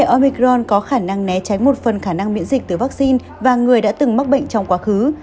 omicron có khả năng né tránh một phần khả năng miễn dịch từ vaccine và người đã từng mắc bệnh trong quá khứ